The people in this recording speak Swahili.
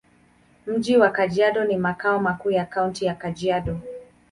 Mji wa Kajiado ni makao makuu ya Kaunti ya Kajiado.